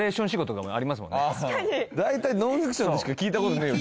確かに大体ノンフィクションでしか聞いたことねえよ